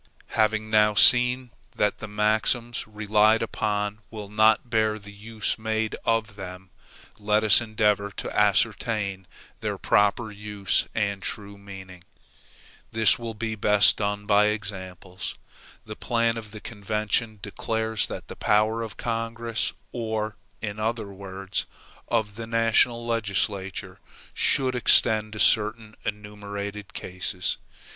Having now seen that the maxims relied upon will not bear the use made of them, let us endeavor to ascertain their proper use and true meaning. This will be best done by examples. The plan of the convention declares that the power of Congress, or, in other words, of the national legislature, shall extend to certain enumerated cases.